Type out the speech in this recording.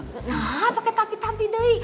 nah pakai tapi tapi dei